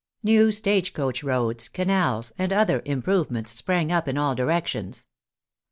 New stage coach roads, canals, and other " improvements " sprang up in all directions.